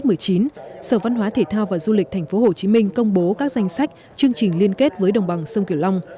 trong năm hai nghìn một mươi chín sở văn hóa thể thao và du lịch tp hcm công bố các danh sách chương trình liên kết với đồng bằng sông kiểu long